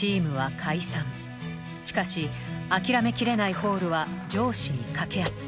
しかし諦めきれないホールは上司に掛け合った。